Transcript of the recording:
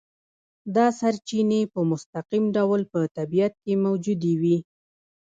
دا سرچینې په مستقیم ډول په طبیعت کې موجودې وي.